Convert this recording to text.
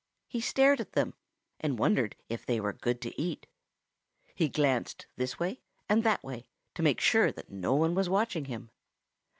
He stared at them and wondered if they were good to eat. He glanced this way and that way to be sure that no one was watching him.